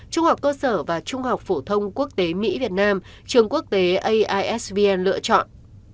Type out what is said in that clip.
trung học cơ sở và trung học phổ thông quốc tế mỹ việt nam trường quốc tế aisb lựa chọn